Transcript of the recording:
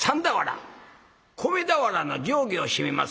米俵の上下をしめます